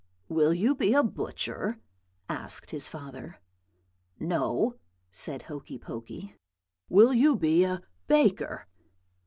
"'Will you be a butcher?' asked his father. "'No,' said Hokey Pokey. "'Will you be a baker?'